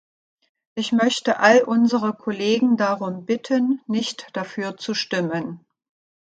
Ich möchte all unsere Kollegen darum bitten, nicht dafür zu stimmen.